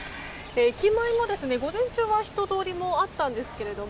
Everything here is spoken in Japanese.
駅前も午前中は人通りもあったんですけど